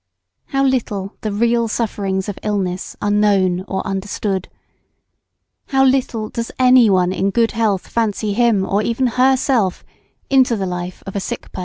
How little the real sufferings of illness are known or understood. How little does any one in good health fancy him or even _her_self into the life of a sick person.